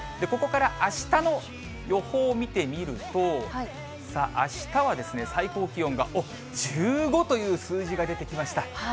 ここからあしたの予報を見てみると、さあ、あしたはですね、最高気温が、おっ、１５という数字が出てきました。